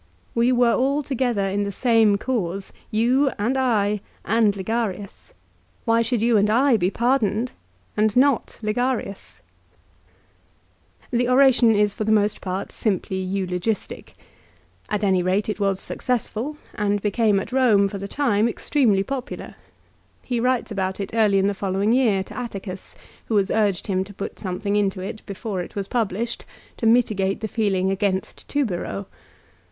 We were all to gether in the same cause, you, and I, and Ligarius. Why should you and I be pardoned and not Ligarius ? The oration is for the most part simply eulogistic. At any rate it was successful, and became at Eome, for the time, extremely popular. He writes about it early in the following year, to Atticus, who has urged him to put something into it, before it was published, to mitigate the feeling against Tubero.